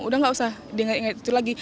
udah nggak usah inget inget itu lagi